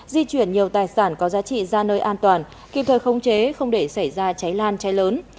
di chuyển nhiều tài sản có giá trị ra nơi an toàn kịp thời khống chế không để xảy ra cháy lan cháy lớn